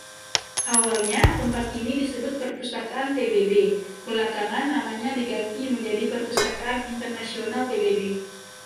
Awalnya tempat ini disebut Perpustakaan PBB, belakangan namanya diganti menjadi Perpustakaan Internasional PBB.